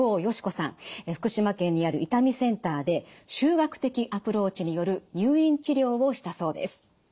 福島県にある痛みセンターで集学的アプローチによる入院治療をしたそうです。